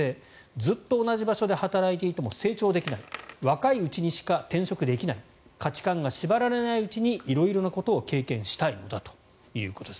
ずっと同じ場所で働いていても成長できない若いうちにしか転職できない価値観が縛られないうちに色々なことを経験したいんだということです。